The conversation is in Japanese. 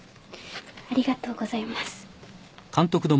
ありがとうございます。